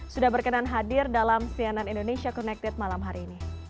sudah berkenan hadir dalam cnn indonesia connected malam hari ini